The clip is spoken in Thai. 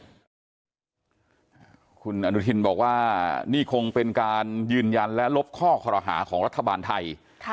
คุณอนุทินบอกว่านี่คงเป็นการยืนยันและลบข้อคอรหาของรัฐบาลไทย